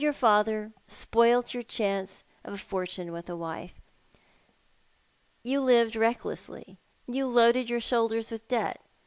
your father, and spoilt your chance of a fortune with a wife. You lived recklessly, and loaded your shoulders with debts.